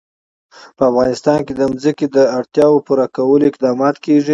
په افغانستان کې د ځمکه د اړتیاوو پوره کولو اقدامات کېږي.